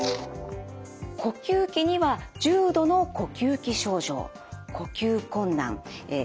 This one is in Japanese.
呼吸器には重度の呼吸器症状呼吸困難ぜんめい。